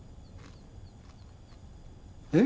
えっ？